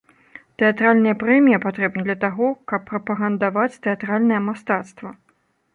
Тэатральная прэмія патрэбна для таго, каб прапагандаваць тэатральнае мастацтва.